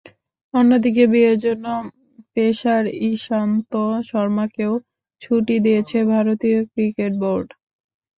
অন্যদিকে বিয়ের জন্য পেসার ইশান্ত শর্মাকেও ছুটি দিয়েছে ভারতীয় ক্রিকেট বোর্ড।